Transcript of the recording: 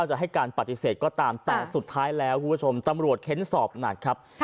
จะให้การปฏิเสธก็ตามแต่สุดท้ายแล้วคุณผู้ชมตำรวจเค้นสอบหนักครับ